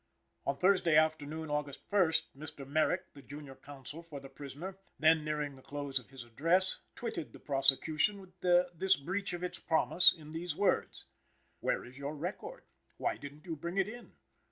On Thursday afternoon, August 1st, Mr. Merrick, the junior counsel for the prisoner, then nearing the close of his address, twitted the prosecution with this breach of its promise in these words: "Where is your record? Why didn't you bring it in?